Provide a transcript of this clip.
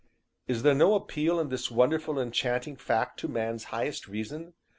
Is there no appeal in this wonderful and enchanting fact to man's highest reason?